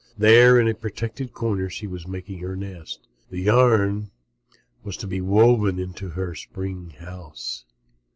There, in a protected corner, she was making her nest. The yarn was to be woven into her new spring house.